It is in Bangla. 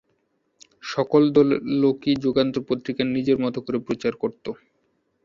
সকল দলের লোকই যুগান্তর পত্রিকা নিজের মতো করে প্রচার করতো।